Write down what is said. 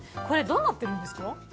これどうなってるんですか？